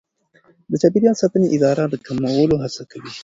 د چاپیریال ساتنې اداره د کمولو هڅه کوي.